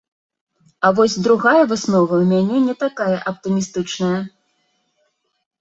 А вось другая выснова ў мяне не такая аптымістычная.